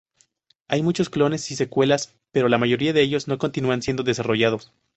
Hay muchos clones y secuelas, pero la mayoría de ellos no continúan siendo desarrollados.